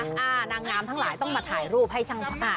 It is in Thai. นางงามทั้งหลายต้องมาถ่ายรูปให้ช่างอ่า